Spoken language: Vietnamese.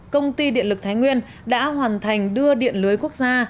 công ty điện lực thái nguyên đã hoàn thành đưa điện lưới quốc gia